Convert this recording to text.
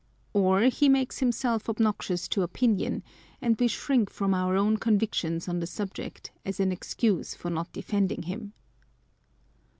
Or he makes himself obnoxious to opinion ; and we shrink from our own convictions on the subject as an excuse for not defending him.